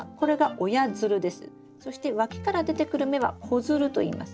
そしてわきから出てくる芽は子づるといいます。